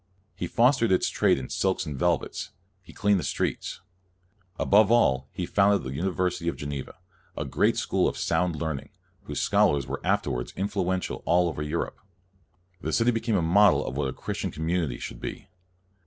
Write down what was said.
He fostered its trade in silks and velvets ; he cleaned its streets. Above all he founded the University of Geneva, a great school of sound learning, whose scholars were afterwards influential all over Europe. The city became a model of what a Christian community should be.